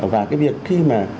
và cái việc khi mà